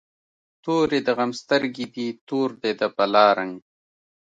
توری د غم سترګی دي، تور دی د بلا رنګ